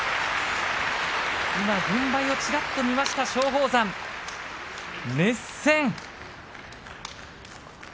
今軍配をちらっと見ました松鳳山熱戦。